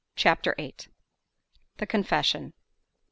CHAPTER VIII. THE CONFESSION.